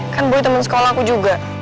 kan buy teman sekolah aku juga